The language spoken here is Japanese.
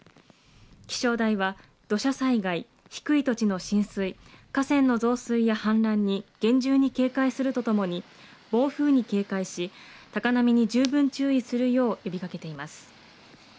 気象台は、土砂災害、低い土地の浸水、河川の増水や氾濫に厳重に警戒するとともに、暴風に警戒し、高波に十分注意するよう呼びかけています。